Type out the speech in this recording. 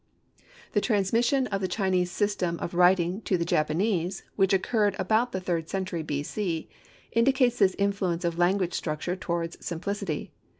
The transmission of the Chinese system of writing to the Japanese, which occurred about the third century, B. C., indicates this influence of language structure towards simplicity.